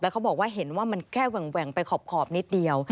เขาบอกว่าเห็นว่ามันแค่แหว่งไปขอบนิดเดียว